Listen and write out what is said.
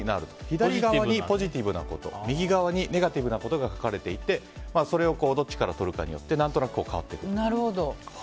左側にポジティブなこと右側にネガティブなことが書かれていてそれをどっちからとるかによって何となく変わってくるという。